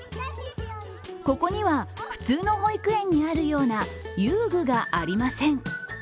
ここには普通の保育園にあるような、遊具がありません。